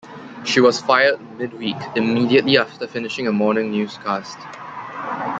She was fired mid-week immediately after finishing a morning newscast.